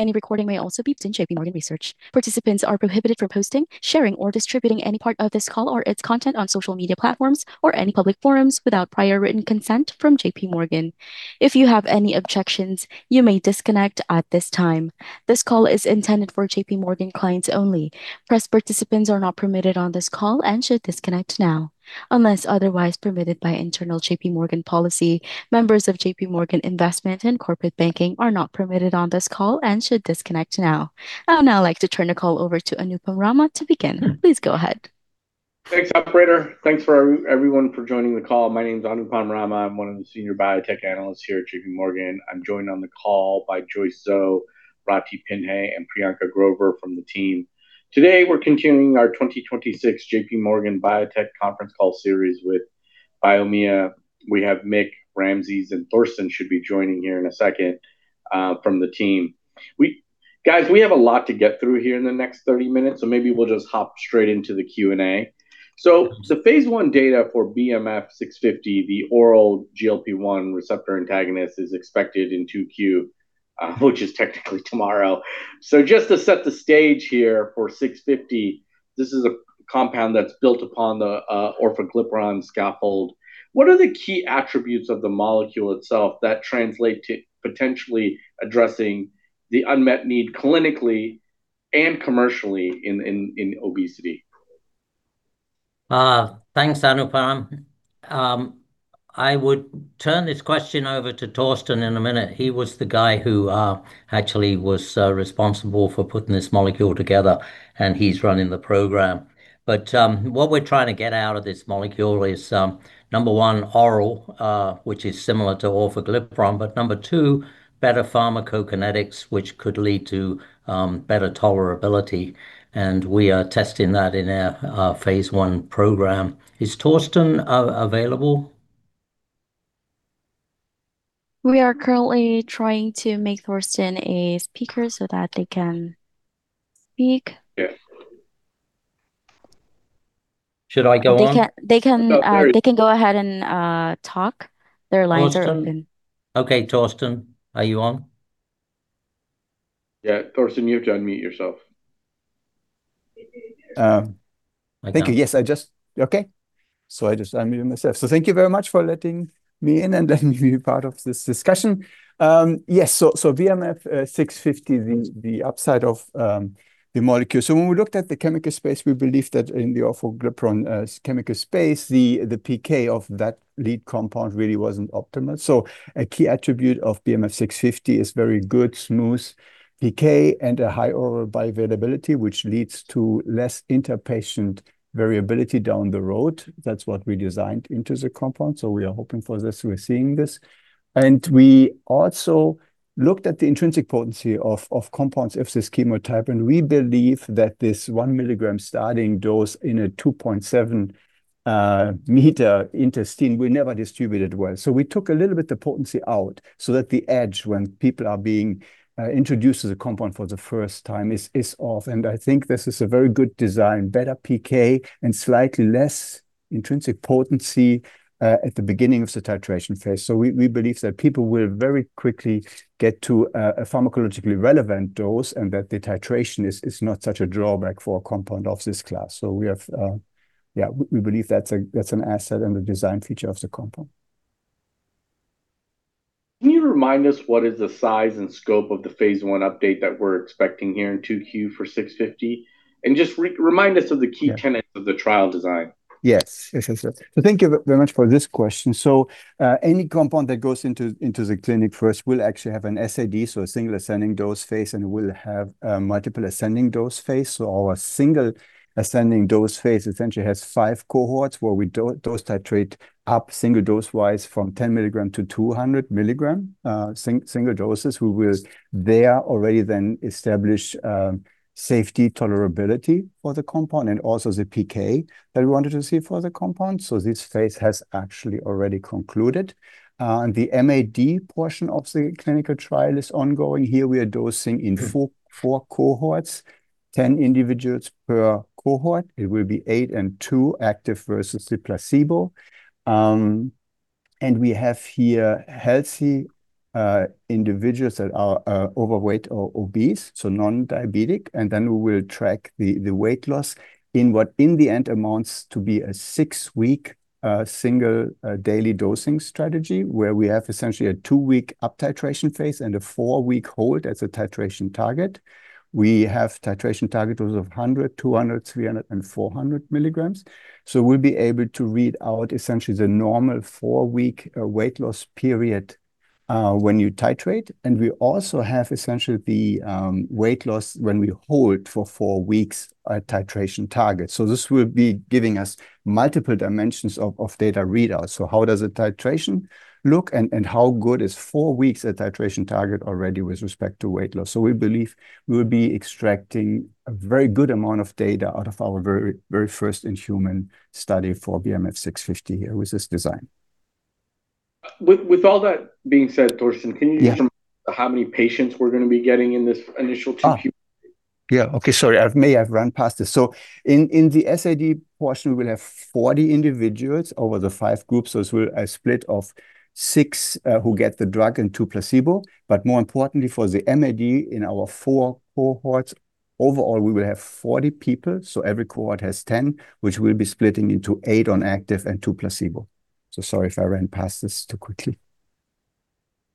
Any recording may also be used in JPMorgan research. Participants are prohibited from posting, sharing, or distributing any part of this call or its content on social media platforms or any public forums without prior written consent from JPMorgan. If you have any objections, you may disconnect at this time. This call is intended for JPMorgan clients only. Press participants are not permitted on this call and should disconnect now. Unless otherwise permitted by internal JPMorgan policy, members of JPMorgan Investment and Corporate Banking are not permitted on this call and should disconnect now. I would now like to turn the call over to Anupam Rama to begin. Please go ahead. Thanks, operator. Thanks for everyone for joining the call. My name is Anupam Rama. I'm one of the senior biotech analysts here at JPMorgan. I'm joined on the call by Joyce Zhou, Rati Pinheiro, and Priyanka Grover from the team. Today, we're continuing our 2026 JPMorgan Biotech Conference call series with Biomea Fusion. We have Mick, Ramses, and Thorsten should be joining here in a second from the team. Guys, we have a lot to get through here in the next 30 minutes, so maybe we'll just hop straight into the Q&A. Phase I data for BMF-650, the oral GLP-1 receptor agonist is expected in Q2, which is technically tomorrow. Just to set the stage here for 650, this is a compound that's built upon the orforglipron scaffold. What are the key attributes of the molecule itself that translate to potentially addressing the unmet need clinically and commercially in obesity? Thanks, Anupam. I would turn this question over to Thorsten in a minute. He was the guy who actually was responsible for putting this molecule together, and he's running the program. What we're trying to get out of this molecule is number one, oral, which is similar to orforglipron, but number two, better pharmacokinetics, which could lead to better tolerability. We are testing that in our phase I program. Is Thorsten available? We are currently trying to make Thorsten a speaker so that they can speak. Yeah. Should I go on? They can go ahead and talk. Their lines are open. Thorsten. Okay, Thorsten, are you on? Yeah, Thorsten, you have to unmute yourself. Thank you. Yes, I unmuted myself. Thank you very much for letting me in and letting me be part of this discussion. Yes. BMF-650, the upside of the molecule. When we looked at the chemical space, we believed that in the orforglipron chemical space, the PK of that lead compound really wasn't optimal. A key attribute of BMF-650 is very good, smooth PK and a high oral bioavailability, which leads to less inter-patient variability down the road. That's what we designed into the compound, so we are hoping for this. We're seeing this. We also looked at the intrinsic potency of compounds of this chemotype, and we believe that this 1 milligram starting dose in a 2.7-meter intestine will never distribute it well. We took a little bit the potency out so that the edge when people are being introduced to the compound for the first time is off. I think this is a very good design, better PK and slightly less intrinsic potency at the beginning of the titration phase. We believe that people will very quickly get to a pharmacologically relevant dose and that the titration is not such a drawback for a compound of this class. We believe that's an asset and a design feature of the compound. Can you remind us what is the size and scope of the phase I update that we're expecting here in Q2 for 650? Just remind us of the key tenets of the trial design. Yes. Thank you very much for this question. Any compound that goes into the clinic first will actually have an SAD, so a single ascending dose phase, and it will have a multiple ascending dose phase. Our single ascending dose phase essentially has five cohorts where we dose titrate up single-dose-wise from 10 mg to 200 mg, single doses. We will there already then establish safety tolerability for the compound and also the PK that we wanted to see for the compound. This phase has actually already concluded. The MAD portion of the clinical trial is ongoing. Here we are dosing in four cohorts, 10 individuals per cohort. It will be eight and two active versus the placebo. We have here healthy individuals that are overweight or obese, so non-diabetic. Then we will track the weight loss in what in the end amounts to be a six-week single daily dosing strategy, where we have essentially a two-week uptitration phase and a four-week hold as a titration target. We have titration target of 100, 200, 300, and 400 milligrams. We'll be able to read out essentially the normal four-week weight loss period when you titrate. We also have essentially the weight loss when we hold for four weeks a titration target. This will be giving us multiple dimensions of data readouts. How does the titration look, and how good is four weeks at titration target already with respect to weight loss? We believe we will be extracting a very good amount of data out of our very, very first-in-human study for BMF-650 here with this design. With all that being said, Thorsten- Yeah Can you just how many patients we're gonna be getting in this initial Q2? Yeah. Okay, sorry, I may have run past this. In the SAD portion, we'll have 40 individuals over the five groups. Those are split into six who get the drug and two placebo. More importantly for the MAD in our four cohorts, overall we will have 40 people, so every cohort has 10, which we'll be splitting into eight on active and two placebo. Sorry if I ran past this too quickly.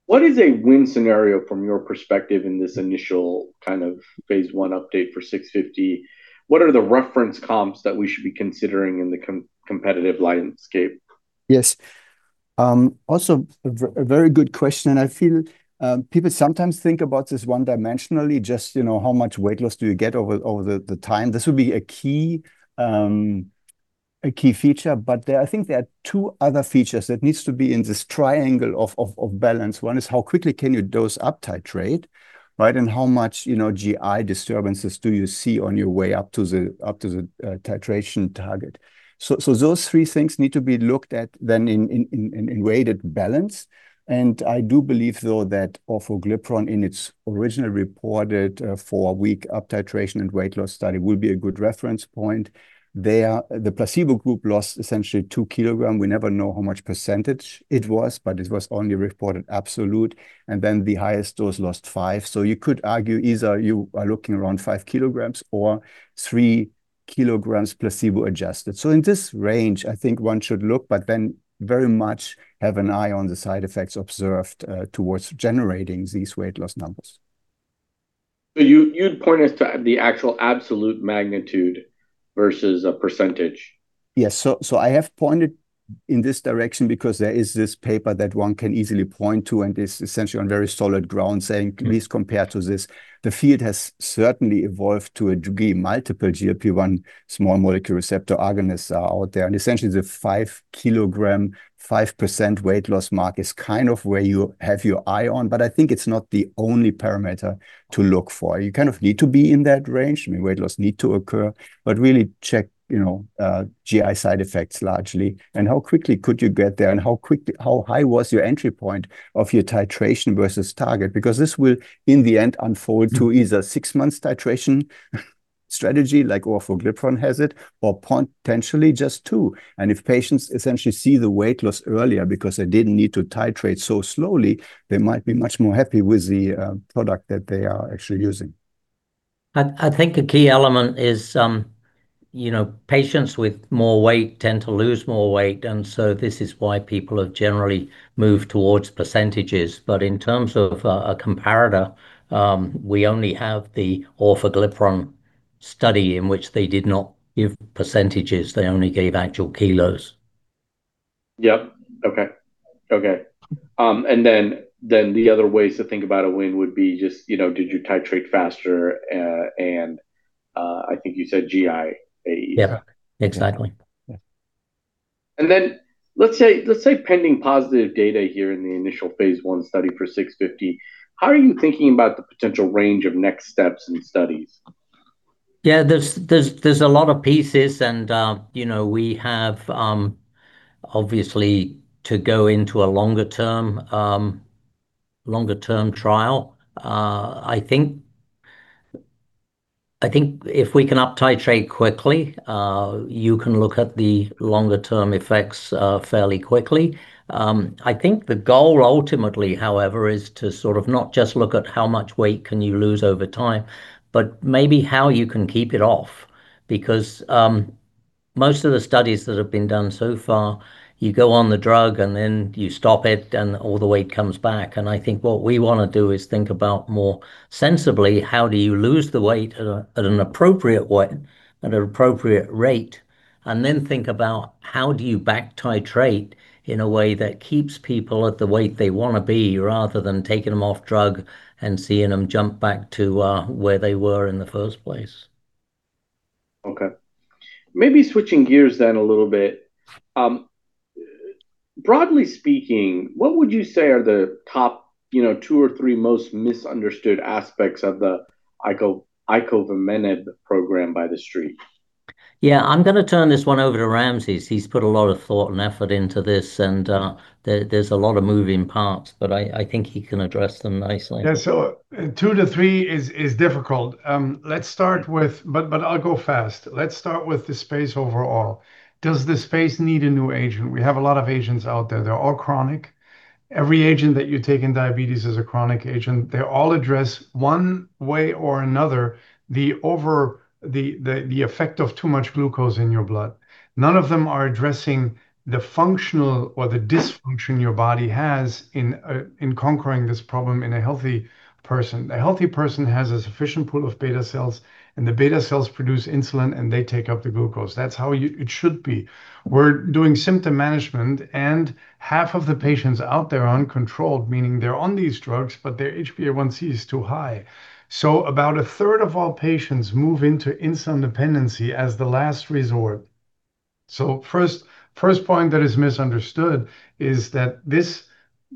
What is a win scenario from your perspective in this initial kind of phase I update for 650? What are the reference comps that we should be considering in the competitive landscape? Yes. Also a very good question, and I feel, people sometimes think about this one-dimensionally, just, you know, how much weight loss do you get over the time. This would be a key feature. I think there are two other features that needs to be in this triangle of balance. One is how quickly can you dose uptitrate, right? And how much, you know, GI disturbances do you see on your way up to the titration target. Those three things need to be looked at then in weighted balance. I do believe though that orforglipron in its originally reported four-week uptitration and weight loss study will be a good reference point. There the placebo group lost essentially 2 kilograms. We never know how much percentage it was, but it was only reported absolute, and then the highest dose lost five. You could argue either you are looking around 5 kilograms or 3 kilograms placebo adjusted. In this range, I think one should look, but then very much have an eye on the side effects observed towards generating these weight loss numbers. You'd point us to the actual absolute magnitude versus a percentage? Yes. I have pointed in this direction because there is this paper that one can easily point to, and it's essentially on very solid ground saying at least compared to this. The field has certainly evolved to a degree, multiple GLP-1 small molecule receptor agonists are out there. Essentially the 5 kg, 5% weight loss mark is kind of where you have your eye on. I think it's not the only parameter to look for. You kind of need to be in that range. I mean, weight loss need to occur. Really check, you know, GI side effects largely and how quickly could you get there, and how quickly how high was your entry point of your titration versus target. Because this will in the end unfold to either 6 months titration strategy like orforglipron has it, or potentially just two. If patients essentially see the weight loss earlier because they didn't need to titrate so slowly, they might be much more happy with the product that they are actually using. I think a key element is, you know, patients with more weight tend to lose more weight, and so this is why people have generally moved towards percentages. In terms of a comparator, we only have the orforglipron study in which they did not give percentages, they only gave actual kilos. Yep. Okay. The other ways to think about a win would be just, you know, did you titrate faster, and I think you said GI AE. Yeah. Exactly. Yeah. Let's say pending positive data here in the initial phase I study for 650, how are you thinking about the potential range of next steps in studies? Yeah. There's a lot of pieces and, you know, we have obviously to go into a longer term trial. I think if we can uptitrate quickly, you can look at the longer term effects fairly quickly. I think the goal ultimately, however, is to sort of not just look at how much weight can you lose over time, but maybe how you can keep it off. Because most of the studies that have been done so far, you go on the drug and then you stop it, and all the weight comes back. I think what we wanna do is think about more sensibly how do you lose the weight at an appropriate rate, and then think about how do you back titrate in a way that keeps people at the weight they wanna be, rather than taking them off drug and seeing them jump back to where they were in the first place. Okay. Maybe switching gears a little bit. Broadly speaking, what would you say are the top, you know, two or three most misunderstood aspects of the icovamenib program by the street? Yeah. I'm gonna turn this one over to Ramses. He's put a lot of thought and effort into this and there's a lot of moving parts, but I think he can address them nicely. Yeah. Two to three is difficult. I'll go fast. Let's start with the space overall. Does this space need a new agent? We have a lot of agents out there. They're all chronic. Every agent that you take in diabetes is a chronic agent. They all address one way or another the effect of too much glucose in your blood. None of them are addressing the function or the dysfunction your body has in conquering this problem in a healthy person. A healthy person has a sufficient pool of beta cells, and the beta cells produce insulin, and they take up the glucose. That's how it should be. We're doing symptom management, and half of the patients out there are uncontrolled, meaning they're on these drugs, but their HbA1c is too high. About a third of all patients move into insulin dependency as the last resort. First point that is misunderstood is that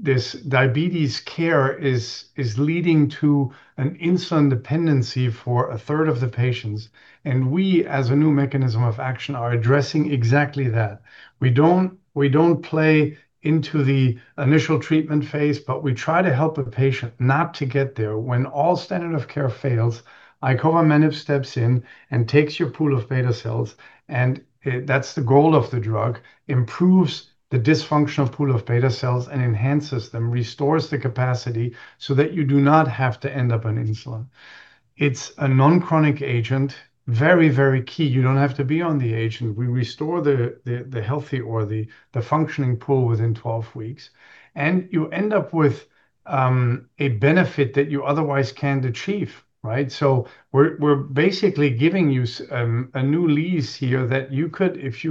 this diabetes care is leading to an insulin dependency for a third of the patients, and we as a new mechanism of action are addressing exactly that. We don't play into the initial treatment phase, but we try to help a patient not to get there. When all standard of care fails, icovamenib steps in and takes your pool of beta cells, and that's the goal of the drug, improves the dysfunctional pool of beta cells and enhances them, restores the capacity so that you do not have to end up on insulin. It's a non-chronic agent, very, very key. You don't have to be on the agent. We restore the healthy or the functioning pool within 12 weeks, and you end up with a benefit that you otherwise can't achieve, right? We're basically giving you a new lease here that you could, if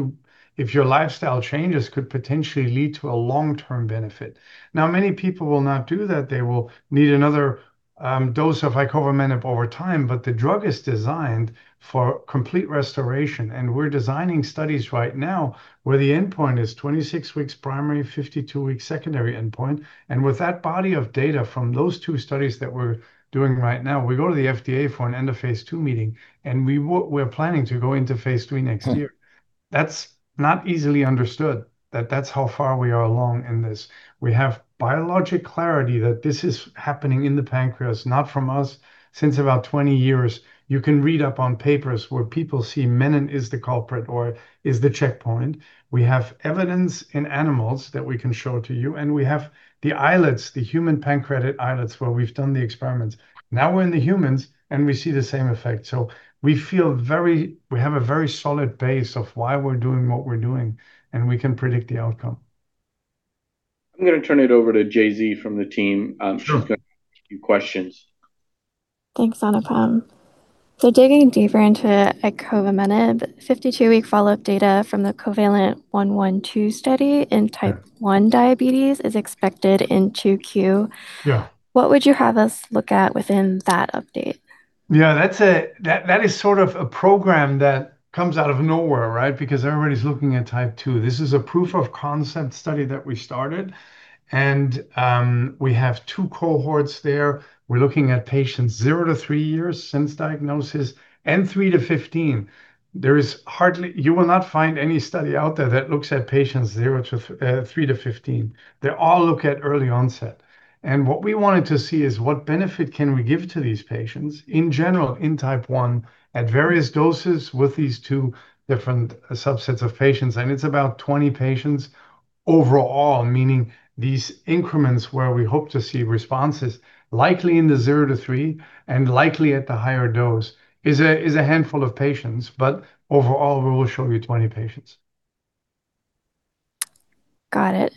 your lifestyle changes, could potentially lead to a long-term benefit. Now, many people will not do that. They will need another dose of icovamenib over time, but the drug is designed for complete restoration, and we're designing studies right now where the endpoint is 26 weeks primary, 52 weeks secondary endpoint. With that body of data from those two studies that we're doing right now, we go to the FDA for an end-of-phase II meeting, and we're planning to go into phase III next year. That's not easily understood that that's how far we are along in this. We have biologic clarity that this is happening in the pancreas, not from us, since about 20 years. You can read up on papers where people see menin is the culprit or is the checkpoint. We have evidence in animals that we can show to you, and we have the islets, the human pancreatic islets, where we've done the experiments. Now we're in the humans, and we see the same effect. We have a very solid base of why we're doing what we're doing, and we can predict the outcome. I'm gonna turn it over to Joyce Zhou from the team. Sure. She's gonna ask a few questions. Thanks, Anupam. Digging deeper into icovamenib, 52-week follow-up data from the COVALENT-112 study in type 1 diabetes is expected in 2Q. Yeah. What would you have us look at within that update? Yeah, that is sort of a program that comes out of nowhere, right? Because everybody's looking at type 2 diabetes. This is a proof of concept study that we started, and we have two cohorts there. We're looking at patients zero to three years since diagnosis and three to 15. There is hardly any study out there that looks at patients zero to three and three to 15. They all look at early onset. What we wanted to see is what benefit can we give to these patients in general in type 1 diabetes at various doses with these two different subsets of patients, and it's about 20 patients overall, meaning these increments where we hope to see responses, likely in the zero to three and likely at the higher dose, is a handful of patients. Overall, we will show you 20 patients. Got it.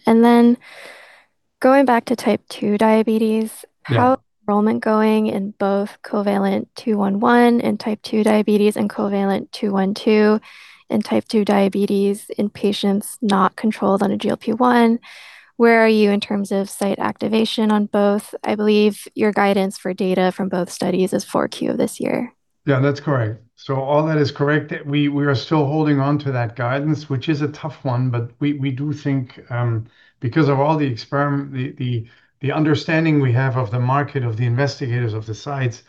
Going back to type 2 diabetes. Yeah How is enrollment going in both COVALENT-211 in type 2 diabetes and COVALENT-212 in type 2 diabetes in patients not controlled on a GLP-1? Where are you in terms of site activation on both? I believe your guidance for data from both studies is Q4 of this year. Yeah, that's correct. All that is correct. We are still holding on to that guidance, which is a tough one, but we do think, because of all the experience, the understanding we have of the market, of the investigators, of the sites,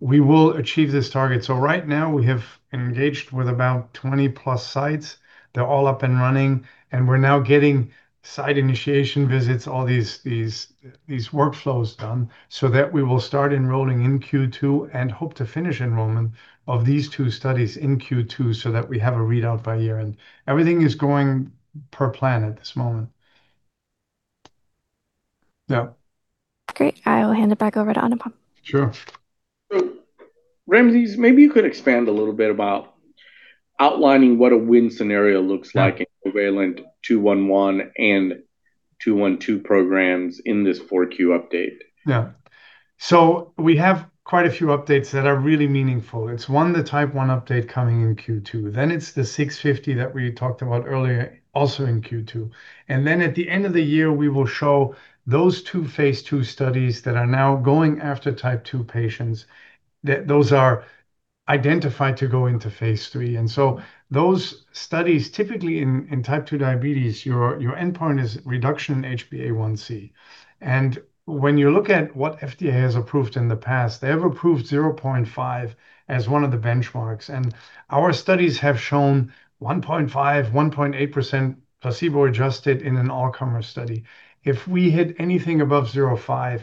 we will achieve this target. Right now we have engaged with about 20-plus sites. They're all up and running, and we're now getting site initiation visits, all these workflows done so that we will start enrolling in Q2 and hope to finish enrollment of these two studies in Q2 so that we have a readout by year-end. Everything is going per plan at this moment. Yeah. Great. I will hand it back over to Anupam. Sure. Ramses, maybe you could expand a little bit about outlining what a win scenario looks like? Yeah in COVALENT-211 and COVALENT-212 programs in this 4Q update. Yeah. We have quite a few updates that are really meaningful. It's 1, the type 1 update coming in Q2. It's the 650 that we talked about earlier, also in Q2. At the end of the year, we will show those 2 Phase II studies that are now going after type 2 patients, that those are identified to go into Phase III. Those studies, typically in type 2 diabetes, your endpoint is reduction in HbA1c. When you look at what FDA has approved in the past, they have approved 0.5 as one of the benchmarks. Our studies have shown 1.5, 1.8% placebo-adjusted in an all-comer study. If we hit anything above 0.5,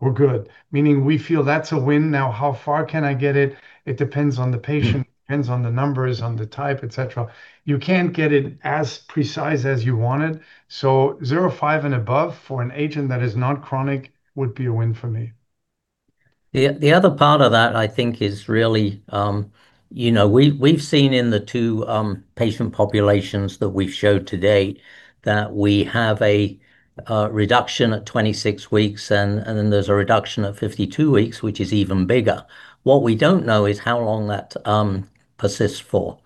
we're good, meaning we feel that's a win. Now, how far can I get it? It depends on the patient, depends on the numbers, on the type, et cetera. You can't get it as precise as you wanted. 0.5 and above for an agent that is not chronic would be a win for me. The other part of that I think is really, you know, we've seen in the two patient populations that we've showed today that we have a reduction at 26 weeks and then there's a reduction at 52 weeks, which is even bigger. What we don't know is how long that persists for.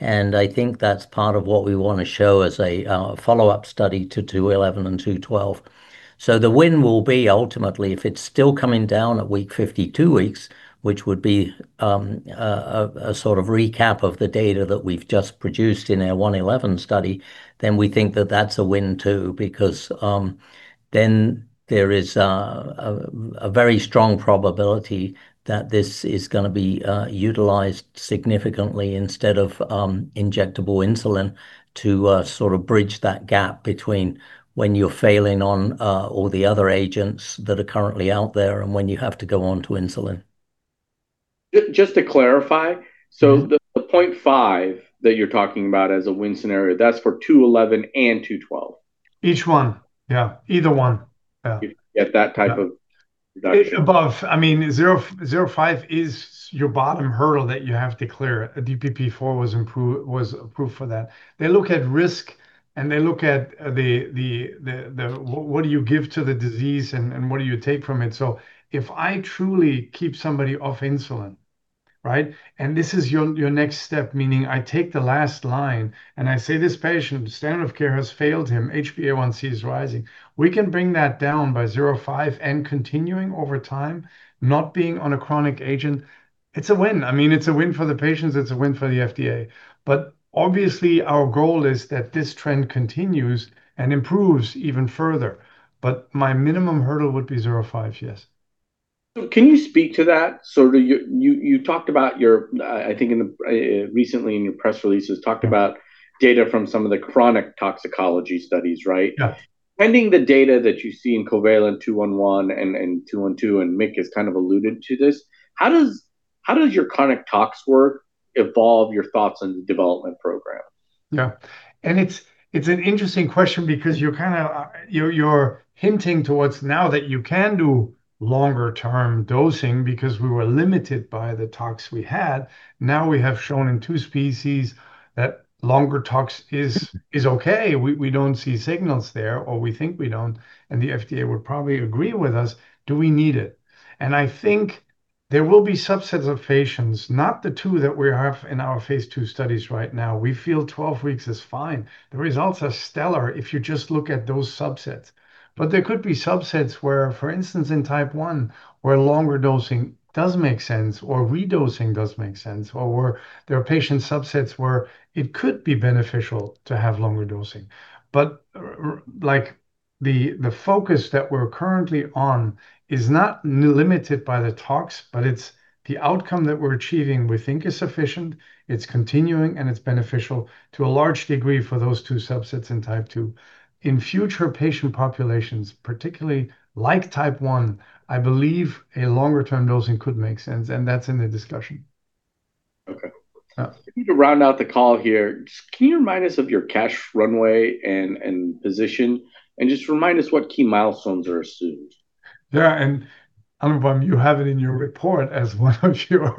I think that's part of what we wanna show as a follow-up study to COVALENT-211 and COVALENT-212. The win will be ultimately if it's still coming down at week 52 weeks, which would be a sort of recap of the data that we've just produced in our COVALENT-111 study. Then we think that that's a win too, because then there is a very strong probability that this is gonna be utilized significantly instead of injectable insulin to sort of bridge that gap between when you're failing on all the other agents that are currently out there and when you have to go onto insulin. Just to clarify. Mm-hmm. The 0.5 that you're talking about as a win scenario, that's for COVALENT-211 and COVALENT-212? Each one, yeah. Either one. Yeah. You get that type of reduction. Above, I mean, 0.5 is your bottom hurdle that you have to clear. A DPP4 was approved for that. They look at risk, and they look at what do you give to the disease and what do you take from it. So if I truly keep somebody off insulin, right? This is your next step, meaning I take the last line, and I say, "This patient, standard of care has failed him. HbA1c is rising." We can bring that down by 0.5 and continuing over time, not being on a chronic agent. It's a win. I mean, it's a win for the patients, it's a win for the FDA. Obviously our goal is that this trend continues and improves even further. My minimum hurdle would be 0.5. Yes. Can you speak to that? You talked about your, I think recently, in your press releases, talked about data from some of the chronic toxicology studies, right? Yeah. Trending the data that you see in COVALENT-211 and COVALENT-212, and Mick has kind of alluded to this, how does your chronic tox work evolve your thoughts on the development program? Yeah. It's an interesting question because you're kinda you're hinting towards now that you can do longer term dosing because we were limited by the tox we had. Now we have shown in two species that longer tox is okay. We don't see signals there, or we think we don't, and the FDA would probably agree with us. Do we need it? I think there will be subsets of patients, not the two that we have in our phase II studies right now. We feel 12 weeks is fine. The results are stellar if you just look at those subsets. There could be subsets where, for instance, in type 1, where longer dosing does make sense, or redosing does make sense, or where there are patient subsets where it could be beneficial to have longer dosing. Like, the focus that we're currently on is not limited by the tox, but it's the outcome that we're achieving we think is sufficient, it's continuing, and it's beneficial to a large degree for those two subsets in type 2 diabetes. In future patient populations, particularly like type 1 diabetes, I believe a longer term dosing could make sense, and that's in the discussion. Okay. Yeah. To round out the call here, can you remind us of your cash runway and position, and just remind us what key milestones are assumed? Anupam, you have it in your report. You're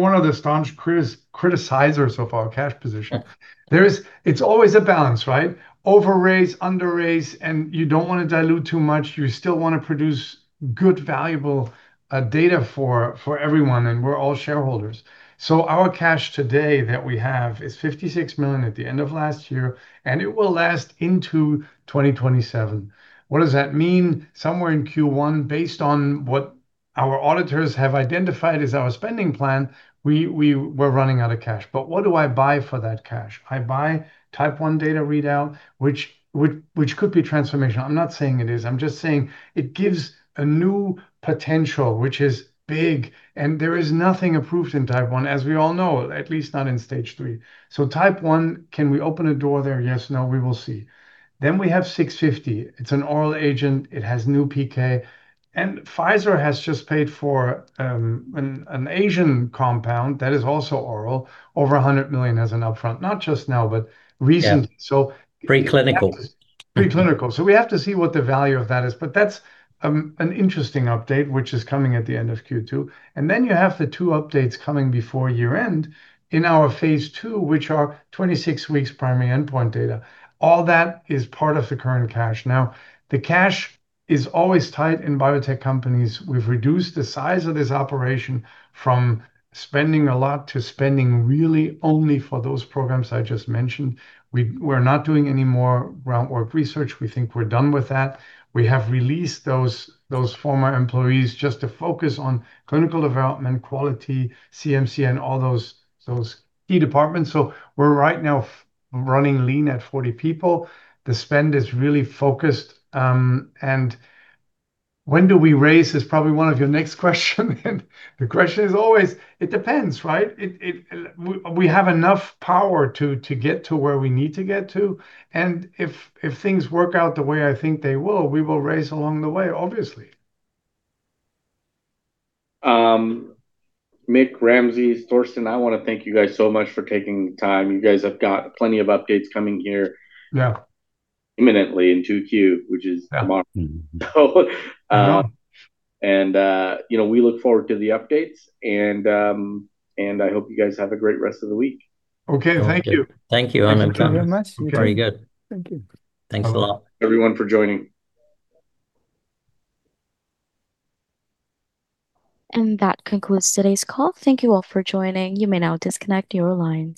one of the staunch criticizers so far of cash position. It's always a balance, right? Over raise, under raise, and you don't wanna dilute too much. You still wanna produce good, valuable data for everyone, and we're all shareholders. Our cash today that we have is $56 million at the end of last year, and it will last into 2027. What does that mean? Somewhere in Q1, based on what our auditors have identified as our spending plan, we're running out of cash. But what do I buy for that cash? I buy type 1 data readout, which could be transformational. I'm not saying it is. I'm just saying it gives a new potential, which is big, and there is nothing approved in type 1, as we all know, at least not in phase III. Type 1, can we open a door there? Yes, no, we will see. We have BMF-650. It's an oral agent. It has new PK. Pfizer has just paid for an Asian compound that is also oral, over $100 million as an upfront, not just now, but recently. Yeah. So- Pre-clinical. Pre-clinical. We have to see what the value of that is, but that's an interesting update, which is coming at the end of Q2. Then you have the two updates coming before year-end in our phase II, which are 26 weeks primary endpoint data. All that is part of the current cash. Now, the cash is always tight in biotech companies. We've reduced the size of this operation from spending a lot to spending really only for those programs I just mentioned. We're not doing any more groundwork research. We think we're done with that. We have released those former employees just to focus on clinical development, quality, CMC, and all those key departments. We're right now running lean at 40 people. The spend is really focused. When do we raise is probably one of your next question. The question is always, it depends, right? We have enough power to get to where we need to get to. If things work out the way I think they will, we will raise along the way, obviously. Mick, Ramses, Thorsten, I wanna thank you guys so much for taking the time. You guys have got plenty of updates coming here. Yeah imminently in Q2, which is tomorrow. Mm-hmm. So, um- Yeah you know, we look forward to the updates, and I hope you guys have a great rest of the week. Okay. Thank you. Thank you, Anupam. Thank you very much. Very good. Thank you. Thanks a lot. Thank you, everyone, for joining. That concludes today's call. Thank you all for joining. You may now disconnect your lines.